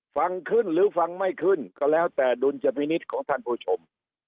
ฟังขึ้นหรือฟังไม่ขึ้นก็แล้วแต่ดุลยพินิษฐ์ของท่านผู้ชม